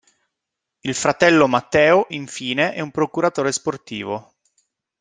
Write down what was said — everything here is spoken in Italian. Il fratello Matteo, infine, è un procuratore sportivo.